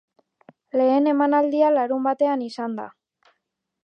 Lehen emanaldia larunbatean izan da.